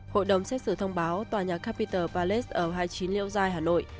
hội đồng xét xử thông báo tòa nhà capitol palace ở hai mươi chín liễu giai hà nội